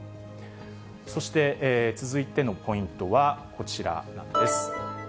そして、続いてのポイントはこちらです。